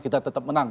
kita tetap menang